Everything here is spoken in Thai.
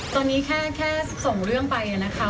ตอนนี้แค่ส่งเรื่องไปนะคะ